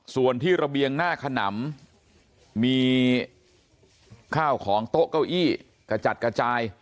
ส่วนที่ระเบียงหน้าขนำมีข้าวของโต๊ะเก้าอี้กระจัดกระจาย